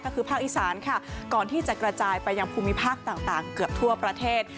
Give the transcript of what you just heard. ก็คือภาคอีสานค่ะก่อนที่จะกระจายไปยังภูมิภาคต่างเกือบทั่วประเทศ